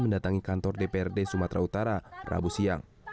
mendatangi kantor dprd sumatera utara rabu siang